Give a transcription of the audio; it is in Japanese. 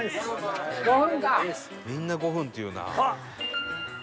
「みんな“５分”って言うな」